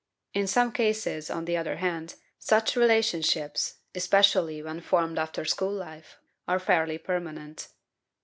In some cases, on the other hand, such relationships, especially when formed after school life, are fairly permanent.